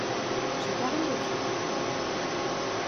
J'ai quarante de fièvre.